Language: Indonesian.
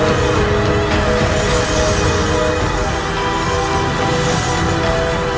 aku akan mengobati anda